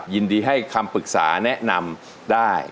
ยินดีให้คำปรึกษาแนะนำได้